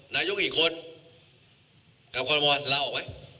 ในการเลือก